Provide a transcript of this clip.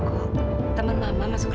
gak mau aku